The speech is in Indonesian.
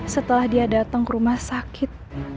setelah dia datang ke rumah sakit